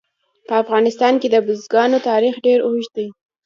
په افغانستان کې د بزګانو تاریخ ډېر اوږد دی.